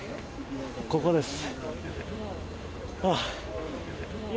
ここです。